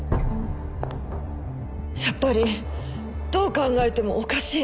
やっぱりどう考えてもおかしい。